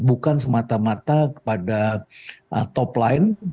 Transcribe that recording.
bukan semata mata pada top line